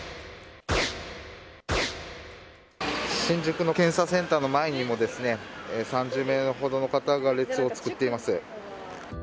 新宿の検査センターの前にも３０名ほどの方が列を作っています。